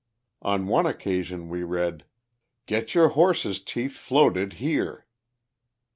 On one occasion we read: "Get your horses' teeth floated here."